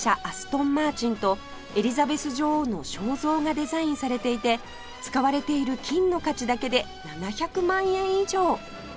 アストンマーチンとエリザベス女王の肖像がデザインされていて使われている金の価値だけで７００万円以上！